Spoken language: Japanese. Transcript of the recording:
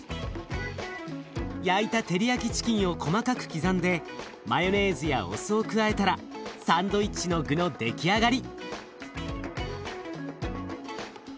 焼いたテリヤキチキンを細かく刻んでマヨネーズやお酢を加えたらサンドイッチの具の出来上がり。